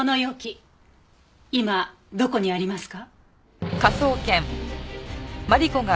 今どこにありますか？